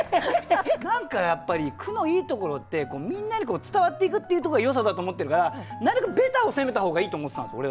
何かやっぱり句のいいところってみんなに伝わっていくっていうところがよさだと思ってるからなるべくベタを攻めた方がいいと思ってたんですよ。